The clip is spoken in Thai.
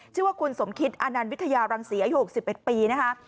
ชื่อว่าคุณสมคิตอานันต์วิทยารังศรีอายุ๖๑ปีนะคะ